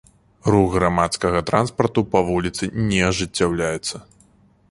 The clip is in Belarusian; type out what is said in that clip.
Рух грамадскага транспарту па вуліцы не ажыццяўляецца.